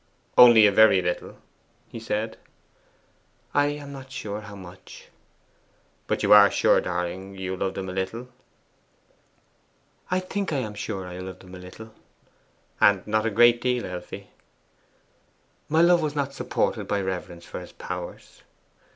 'Only a very little?' he said. 'I am not sure how much.' 'But you are sure, darling, you loved him a little?' 'I think I am sure I loved him a little.' 'And not a great deal, Elfie?' 'My love was not supported by reverence for his powers.